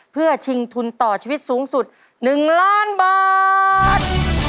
เพื่อชิงทุนต่อชีวิตสูงสุด๑ล้านบาท